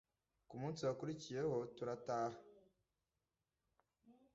ku munsi wakurikiyeho turataha